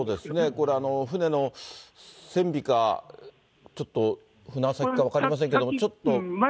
これ、船の船尾か、ちょっと舟先か分かりませんけれども、ちょっと。